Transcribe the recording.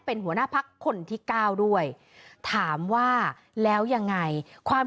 เป็นหัวหน้าพักคนที่เก้าด้วยถามว่าแล้วยังไงความ